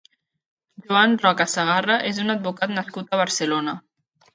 Joan Roca Sagarra és un advocat nascut a Barcelona.